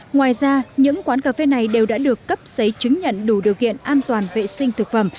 ngoài ra những quán cà phê này đều đã được cấp giấy chứng nhận đủ điều kiện an toàn vệ sinh thực phẩm